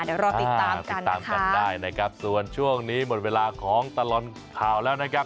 เดี๋ยวรอติดตามติดตามกันได้นะครับส่วนช่วงนี้หมดเวลาของตลอดข่าวแล้วนะครับ